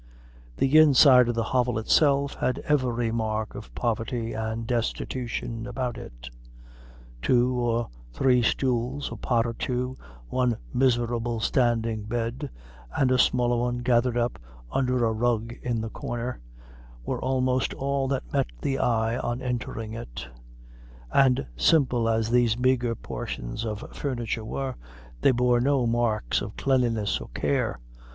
The inside of the hovel itself had every mark of poverty and destitution about it. Two or three stools, a pot or two, one miserable standing bed, and a smaller one gathered up under a rug in the corner, were almost all that met the eye on entering it; and simple as these meagre portions of furniture were, they bore no marks of cleanliness or care.